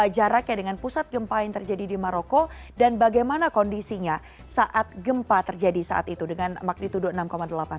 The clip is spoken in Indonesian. jaraknya dengan pusat gempa yang terjadi di maroko dan bagaimana kondisinya saat gempa terjadi saat itu dengan magnitudo enam delapan